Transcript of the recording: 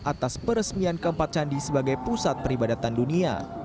atas peresmian keempat candi sebagai pusat peribadatan dunia